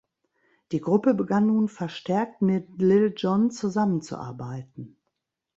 Die Gruppe begann nun verstärkt mit Lil Jon zusammen zu arbeiten.